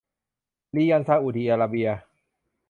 ริยัลซาอุดีอาระเบีย